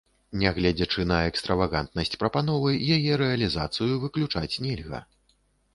Нягледзячы на экстравагантнасць прапановы, яе рэалізацыю выключаць нельга.